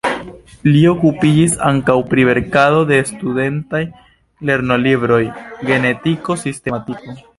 Li okupiĝis ankaŭ pri verkado de studentaj lernolibroj, genetiko, sistematiko.